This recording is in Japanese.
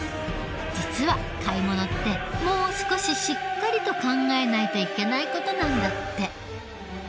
実は買い物ってもう少ししっかりと考えないといけない事なんだって。